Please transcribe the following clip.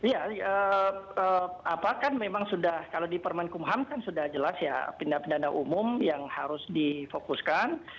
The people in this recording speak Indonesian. ya apa kan memang sudah kalau di permen kumham kan sudah jelas ya pindah pindah umum yang harus difokuskan